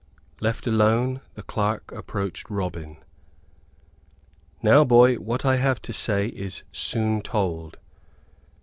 Left alone, the clerk approached Robin. "Now, boy, what I have to say is soon told.